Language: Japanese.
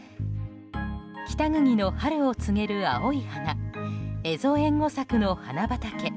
北国の春を告げる青い花エゾエンゴサクの花畑。